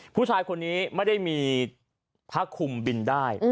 ผู้ชายคนนี้ไม่ได้มีผ้าคุมบินได้